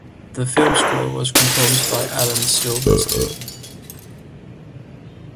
The film score was composed by Alan Silvestri.